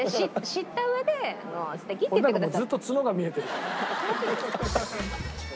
知った上で「素敵」って言ってくださって。